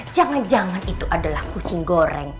jangan jangan itu adalah kucing goreng